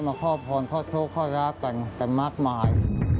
มาขอบพรขอโทษขอรับกันมากมาย